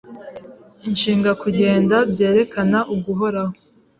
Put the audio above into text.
Inshinga "kugenda" byerekana uguhoraho